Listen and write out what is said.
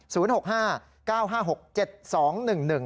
หกห้าเก้าห้าหกเจ็ดสองหนึ่งหนึ่ง